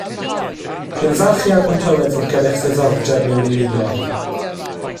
Dwi'n falch iawn clywed fod gennych ddiddordeb mewn ymuno